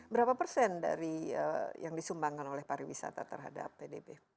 berapa persen dari yang disumbangkan oleh pariwisata terhadap pdb